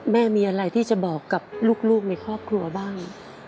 แม่มีอะไรที่จะบอกกับลูกในครอบครัวบ้าง